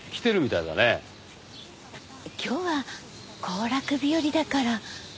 今日は行楽日和だから。